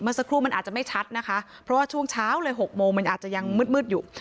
สักครู่มันอาจจะไม่ชัดนะคะเพราะว่าช่วงเช้าเลย๖โมงมันอาจจะยังมืดมืดอยู่